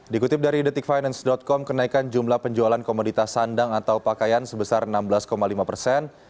dikutip dari detikfinance com kenaikan jumlah penjualan komoditas sandang atau pakaian sebesar enam belas lima persen